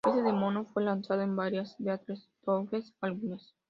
Este demo fue lanzado en varios Beatles bootleg albums.